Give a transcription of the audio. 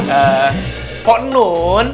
eh pak nun